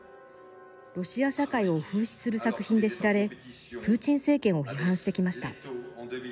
ロシア社会を風刺する作品で知られプーチン政権を批判してきました。